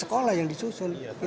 betul yang mana aja